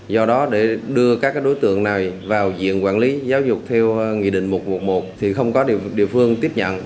do đó để đưa các đối tượng này vào diện quản lý giáo dục theo nghị định một trăm một mươi một thì không có địa phương tiếp nhận